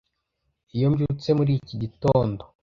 iyo mbyutse muri iki gitondo